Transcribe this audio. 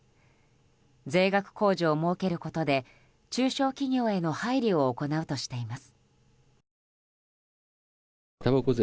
税額控除を設けることで中小企業への配慮を行うとしています。